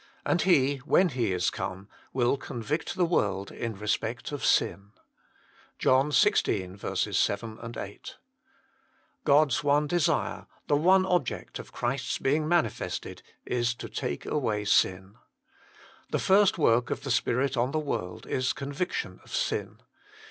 And He, when He is come, will convict the world in respect of sin." JOHN xvi. 7, 8. God s one desire, the one object of Christ s being manifested, is to take away sin. The first work of the Spirit on the world is conviction of sin.